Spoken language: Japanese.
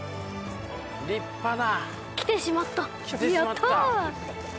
立派な。